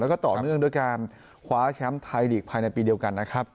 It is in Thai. แล้วก็ต่อเนื่องด้วยการคว้าแชมป์ไทยลีกภายในปีเดียวกันนะครับ